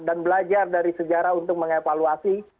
dan belajar dari sejarah untuk mengevaluasi